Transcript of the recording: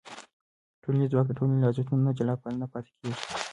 ټولنیز ځواک د ټولنې له ارزښتونو نه جلا نه پاتې کېږي.